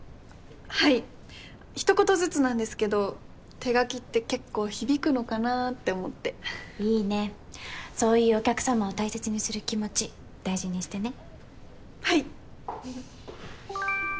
はい一言ずつなんですけど手書きって結構響くのかなって思っていいねそういうお客様を大切にする気持ち大事にしてねはい！